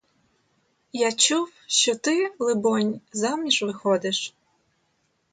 Я чув, що ти, либонь, заміж виходиш?